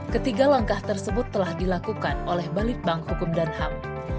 ketiga langkah tersebut telah dilakukan oleh balitbank hukum dan ham